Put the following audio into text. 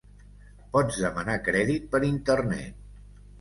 Pots demanar crèdit per Internet.